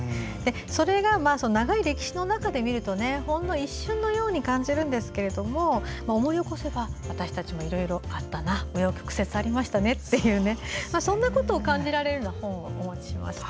それが長い歴史の中で見るとほんの一瞬のように感じるんですけども思い起こせば私たちもいろいろあったなう余曲折ありましたねというそんなことを感じられるような本をお持ちしました。